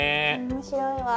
面白いわ。